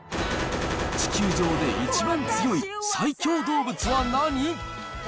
地球上で一番強い最強動物は何？